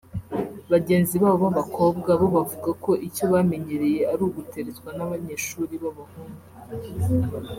bagenzi babo b’abakobwa bo bavuga ko icyo bamenyereye ari uguteretwa n’abanyeshuri b’abahungu